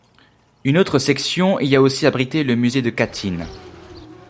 Une autre section y a aussi abrité le musée de Katyń.